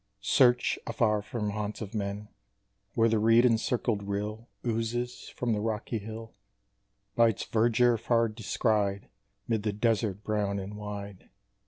Search afar from haunts of men Where the reed encircled rill Oozes from the rocky hill, By its verdure far descried 'Mid the desert brown and wide.